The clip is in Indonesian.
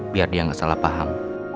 biar dia nggak salah paham